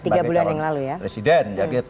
oke tiga bulan yang lalu ya